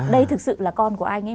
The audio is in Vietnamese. đây thực sự là con của anh ấy